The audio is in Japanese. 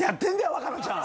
若菜ちゃん。